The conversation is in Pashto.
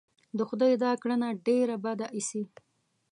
د خدای دا کړنه ډېره بده اېسي.